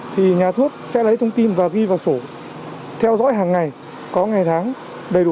thì nhà thuốc sẽ lấy thông tin và ghi vào sổ theo dõi hàng ngày có ngày tháng đầy đủ